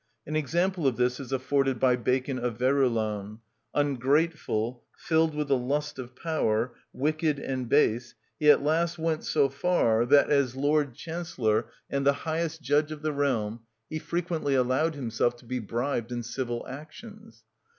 An example of this is afforded by Bacon of Verulam: "Ungrateful, filled with the lust of power, wicked and base, he at last went so far that, as Lord Chancellor and the highest judge of the realm, he frequently allowed himself to be bribed in civil actions.